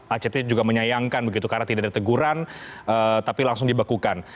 act juga menyayangkan begitu karena tidak ada teguran tapi langsung dibekukan